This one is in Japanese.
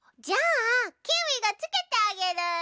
じゃあキーウィがつけてあげる。